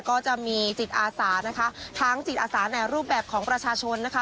ก็จะมีจิตอาสานะคะทั้งจิตอาสาในรูปแบบของประชาชนนะคะ